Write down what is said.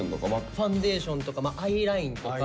ファンデーションとかアイラインとか。